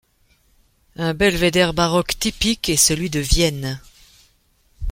Un belvédère baroque typique est celui de Vienne.